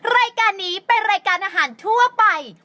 รายการนี้เป็นรายการอาหารทั่วไป